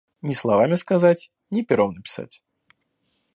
Ни словами сказать, ни пером написать.